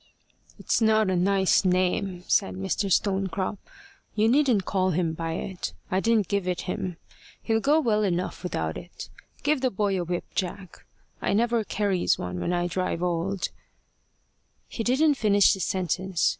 "It's not a nice name," said Mr. Stonecrop. "You needn't call him by it. I didn't give it him. He'll go well enough without it. Give the boy a whip, Jack. I never carries one when I drive old " He didn't finish the sentence.